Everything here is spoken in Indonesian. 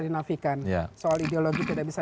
dinafikan soal ideologi tidak bisa